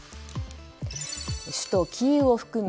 首都キーウを含む